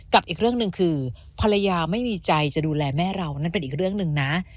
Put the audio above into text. อีกเรื่องหนึ่งคือภรรยาไม่มีใจจะดูแลแม่เรานั่นเป็นอีกเรื่องหนึ่งนะ